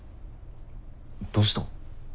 どうした？